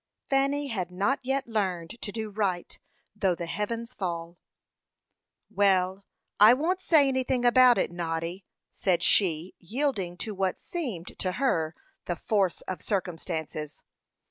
Fanny had not yet learned to do right though the heavens fall. "Well, I won't say anything about it, Noddy," said she, yielding to what seemed to her the force of circumstances.